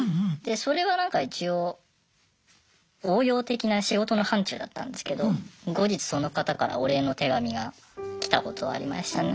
それはなんか一応応用的な仕事の範ちゅうだったんですけど後日その方からお礼の手紙が来たことはありましたね。